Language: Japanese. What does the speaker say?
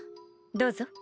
どうぞ。